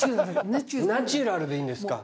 ナチュラルでいいんですか。